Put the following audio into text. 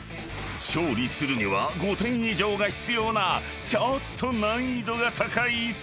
［勝利するには５点以上が必要なちょっと難易度が高いスロー］